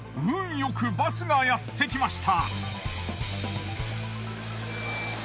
よくバスがやってきました。